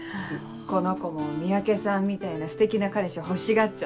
この子も三宅さんみたいなステキな彼氏欲しがっちゃっててねっ。